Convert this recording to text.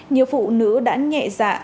nhiều phụ nữ đã nhẹ dạ